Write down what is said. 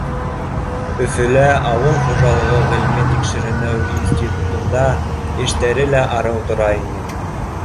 Өфөлә, ауыл хужалығы ғилми-тикшеренеү институтында, эштәре лә арыу тора ине